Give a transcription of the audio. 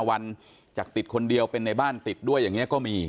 วันจากติดคนเดียวเป็นในบ้านติดด้วยอย่างนี้ก็มี